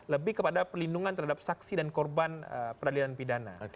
lebih kepada perlindungan terhadap saksi dan korban peradilan pidana